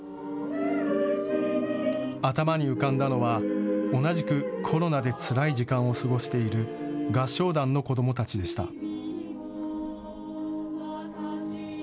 頭に浮かんだのは同じくコロナでつらい時間を過ごしている合唱団の子どもたちでした。